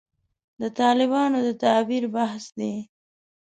د طالبانو د تعبیر بحث دی.